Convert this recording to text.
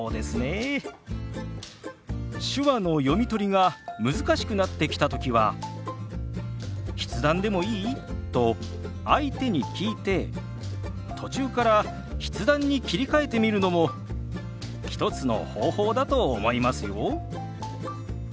手話の読み取りが難しくなってきた時は「筆談でもいい？」と相手に聞いて途中から筆談に切り替えてみるのも一つの方法だと思いますよ。